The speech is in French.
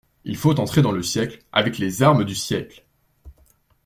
Il faut entrer dans le siècle, avec les armes du siècle.